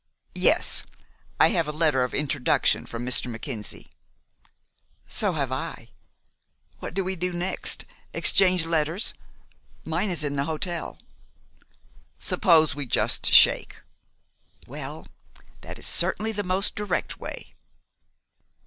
"Yes, I have a letter of introduction from Mr. Mackenzie." "So have I. What do we do next? Exchange letters? Mine is in the hotel." "Suppose we just shake?" "Well, that is certainly the most direct way."